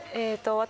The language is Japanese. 私。